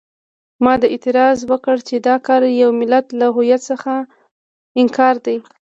ما اعتراض وکړ چې دا کار د یوه ملت له هویت څخه انکار دی.